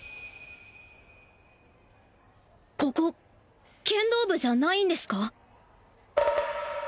ここ剣道部じゃないんですか？